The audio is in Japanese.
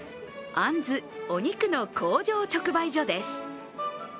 あんずお肉の工場直売所です。